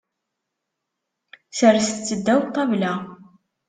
Serset-tt ddaw ṭṭabla.